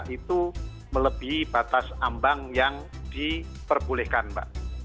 itu melebihi batas ambang yang diperbolehkan mbak